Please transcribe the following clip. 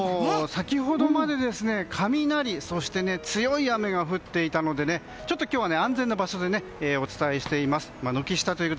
先ほどまで雷、強い雨が降っていたのでちょっと今日は安全な場所でお伝えしています。